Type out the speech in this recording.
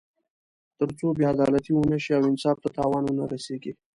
تر څو بې عدالتي ونه شي او انصاف ته تاوان ونه رسېږي.